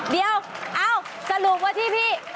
เดี๋ยวเอ้าสรุปว่าที่พี่